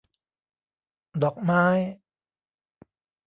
ดอกไม้